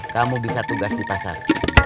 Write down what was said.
kamu bisa tugas di pasar